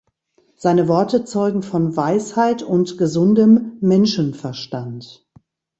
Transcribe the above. Seine Worte zeugen von Weisheit und gesundem Menschenverstand.